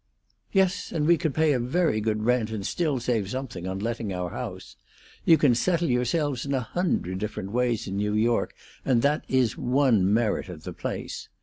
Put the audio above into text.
"Yes, and we could pay a very good rent and still save something on letting our house. You can settle yourselves in a hundred different ways in New York, that is one merit of the place.